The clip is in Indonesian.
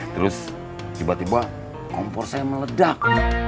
terus tiba tiba kompor saya meledak